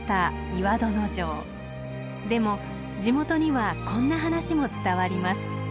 でも地元にはこんな話も伝わります。